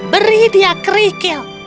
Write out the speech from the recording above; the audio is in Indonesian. beri dia kerikil